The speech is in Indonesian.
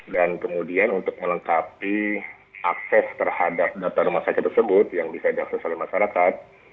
dan kemudian untuk melengkapi akses terhadap data rumah sakit tersebut yang bisa diakses oleh masyarakat